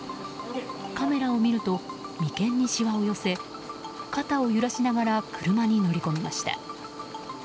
カメラを見ると眉間にしわを寄せ肩を揺らしながら車に乗り込みました。